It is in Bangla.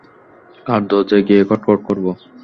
কার দরজায় গিয়ে খটখট করবো?